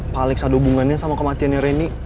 pallex ada hubungannya sama kematiannya reni